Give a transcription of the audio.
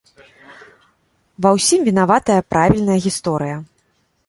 Ва ўсім вінаватая правільная гісторыя?